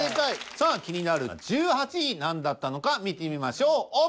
さあ気になる１８位何だったのか見てみましょうオープン。